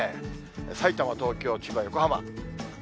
さいたま、東京、千葉、横浜。